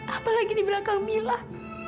apalagi di belakang kamilah